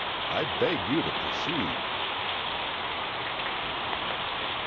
I beg you to proceed."